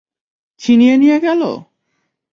ছিনিয়ে নিয়ে গেল?